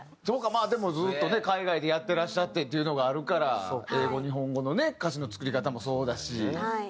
まあでもずっとね海外でやってらっしゃってっていうのがあるから英語日本語のね歌詞の作り方もそうだし。